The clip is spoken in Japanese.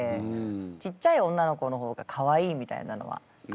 ちっちゃい女の子の方がかわいいみたいなのはあるじゃない。